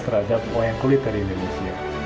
terhadap wayang kulit dari indonesia